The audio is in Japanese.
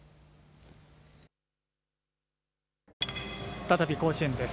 再び甲子園です。